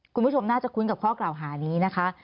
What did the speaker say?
คุณผู้ชมน่าจะคุ้นกับข้อกล่าวหานี้นะคะ